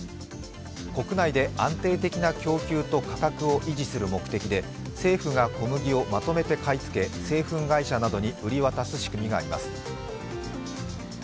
国内で安定的な供給と価格を維持する目的で政府が小麦をまとめて買い付け製粉会社などに売り渡す仕組みがあります。